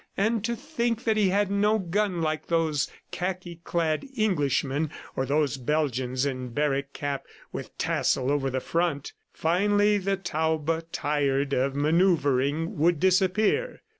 And to think that he had no gun like those khaki clad Englishmen or those Belgians in barrick cap, with tassel over the front! ... Finally the taube tired of manoeuvering, would disappear.